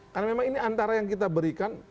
karena memang ini antara yang kita berikan